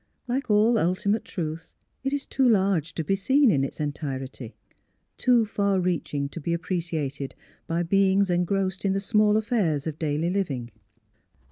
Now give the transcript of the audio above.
Like all ultimate truth it is too large to be seen in its entirety too far reaching to be appre ciated by beings engrossed in the small affairs of daily living.